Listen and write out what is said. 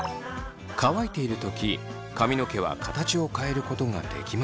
乾いている時髪の毛は形を変えることができません。